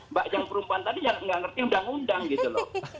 mbak yang perempuan tadi yang nggak ngerti undang undang gitu loh